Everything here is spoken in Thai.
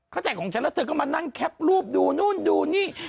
ใจของฉันแล้วเธอก็มานั่งแคปรูปดูนู่นดูนี่